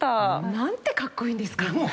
なんてかっこいいんですか！